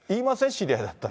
知り合いだったら。